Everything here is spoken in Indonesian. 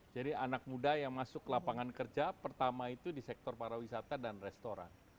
jadi anak muda yang masuk lapangan kerja pertama itu di sektor para wisata dan restoran